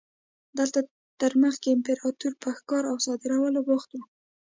دلته تر مخکې امپراتور په ښکار او صادرولو بوخت و.